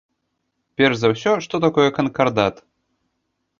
Перш за ўсё, што такое канкардат?